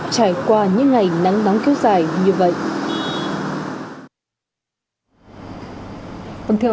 trải qua những ngày nắng nóng kéo dài như vậy